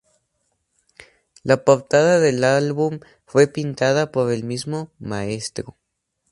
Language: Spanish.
La portada del álbum fue pintada por el mismo Mr.